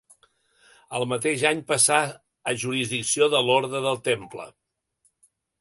El mateix any passà a jurisdicció de l'orde del Temple.